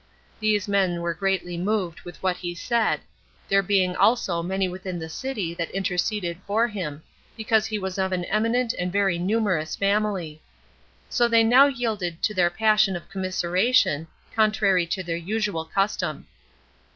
These men were greatly moved with what he said, there being also many within the city that interceded for him, because he was of an eminent and very numerous family; so they now yielded to their passion of commiseration, contrary to their usual custom.